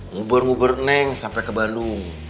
ngubur ngubur neng sampai ke bandung